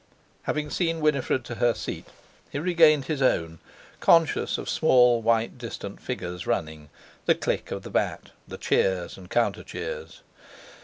Having seen Winifred to her seat, he regained his own, conscious of small, white, distant figures running, the click of the bat, the cheers and counter cheers.